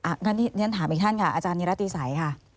งั้นฉันถามอีกท่านค่ะอาจารย์นิรัติศัยค่ะ